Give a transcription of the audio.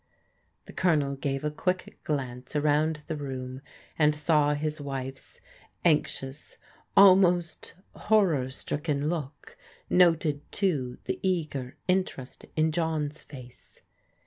The Colonel gave a quick glance around the room, and saw his wife's anxious, almost horror stricken look, noted, too, the eager interest in John's face.